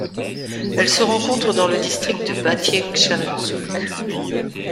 Elle se rencontre dans le district de Batiengchaleunsouk.